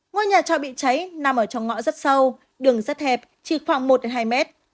ngôi nhà trọ bị cháy nằm ở trong ngõ rất sâu đường rất hẹp chỉ khoảng một hai mét